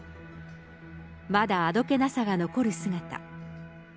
まだあどけなさが残る姿。